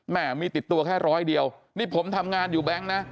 แม่มีติดตัวแค่ร้อยเดียวนี่ผมทำงานอยู่แบงค์นะ